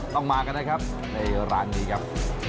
ต้องมากันนะครับในร้านนี้ครับ